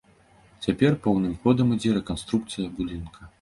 Цяпер поўным ходам ідзе рэканструкцыя будынка.